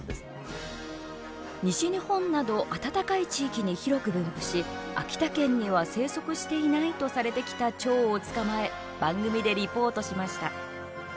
西日本など暖かい地域に広く分布し秋田県には生息していないとされてきたチョウを捕まえ番組でリポートしました。